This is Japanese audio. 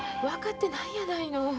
分かってないやないの。